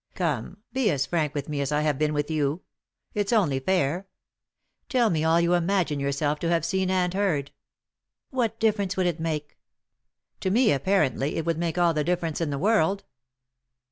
Come, be as frank with me as I have been with you; rfs only fair. Tell me all you imagine yourself to have seen and heard." " What difference would it make ?"" To me, apparently, it would make all the differ ence m the world."